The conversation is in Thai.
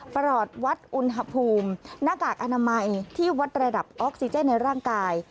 ปลอดวัดอุณหภูมิหน้ากากอนามัยที่วัดระดับออกซิเจนในร่างกาย